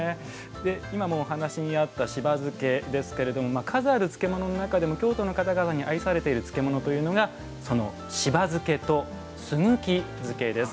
今もお話にあったしば漬けですが数ある漬物の中でも京都の方々に愛されている漬物というのがしば漬けと、すぐき漬けです。